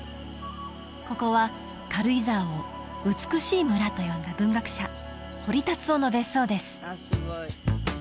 ここは軽井沢を「美しい村」と呼んだ文学者堀辰雄の別荘です